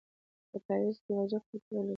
په تعویذ کي یو عجب خط وو لیکلی